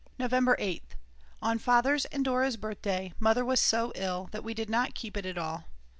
November 8th. On Father's and Dora's birthday Mother was so ill that we did not keep it at all.